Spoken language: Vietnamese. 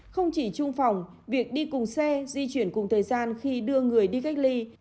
không chỉ trung phòng việc đi cùng xe di chuyển cùng thời gian khi đưa người đi cách ly